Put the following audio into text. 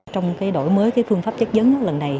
trong đổi mới phương pháp chất dấn lần này